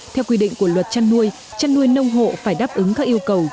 theo quy định của luật chăn nuôi chăn nuôi nông hộ phải đáp ứng các yêu cầu